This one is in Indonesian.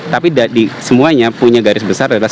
tapi semuanya punya garis besar adalah